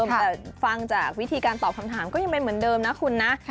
แต่ฟังจากวิธีการตอบคำถามก็ยังเป็นเหมือนเดิมนะคุณนะ